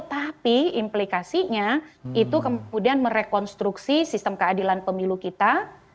tapi implikasinya itu kemudian merekonstruksi sistem keadilan pemilu kita